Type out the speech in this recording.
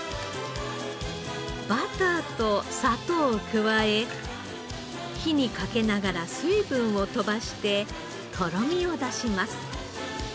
バターと砂糖を加え火にかけながら水分を飛ばしてとろみを出します。